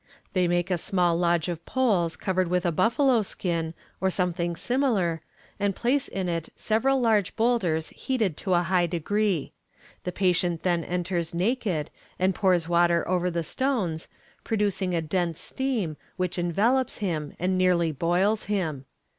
They make a small lodge of poles covered with a buffalo skin, or something similar, and place in it several large boulders heated to a high degree. The patient then enters naked, and pours water over the stones, producing a dense steam, which envelopes him and nearly boils him.